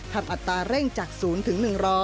ทำอัตราเร่งจาก๐ถึง๑๐๐